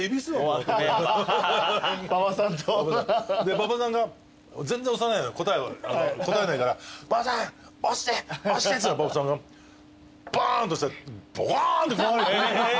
馬場さんが全然押さないの答えないから「馬場さん押して押して！」っつったら馬場さんがバーンと押したら。